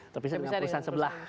terpisah dengan perusahaan sebelah